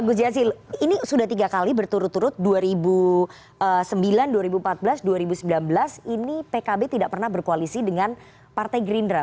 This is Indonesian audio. gus jazil ini sudah tiga kali berturut turut dua ribu sembilan dua ribu empat belas dua ribu sembilan belas ini pkb tidak pernah berkoalisi dengan partai gerindra